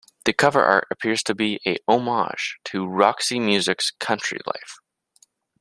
The cover art appears to be a homage to Roxy Music's "Country Life".